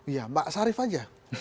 ya mbak sarif aja